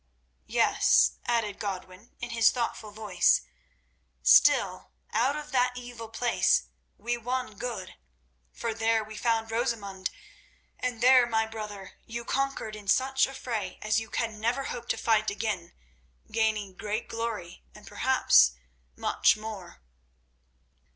"Yes," added Godwin in his thoughtful voice; "still, out of that evil place we won good, for there we found Rosamund, and there, my brother, you conquered in such a fray as you can never hope to fight again, gaining great glory, and perhaps much more."